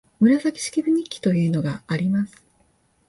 「紫式部日記」というのがあります